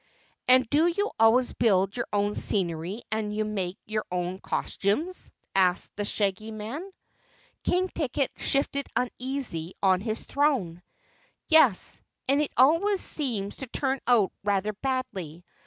"And do you always build your own scenery and make your own costumes?" asked the Shaggy Man. King Ticket shifted uneasily on his throne. "Yes, and it always seems to turn out rather badly.